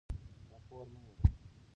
راپور مه هېروه.